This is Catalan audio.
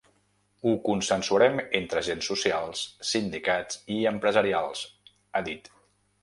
Ho consensuarem entre agents socials, sindicats i empresarials, ha dit.